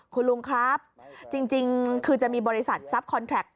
คุณลุงครับจริงคือจะมีบริษัทซับคอนแทรกต์